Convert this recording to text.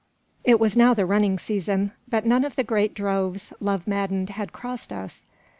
It was now the running season, but none of the great droves, love maddened, had crossed us.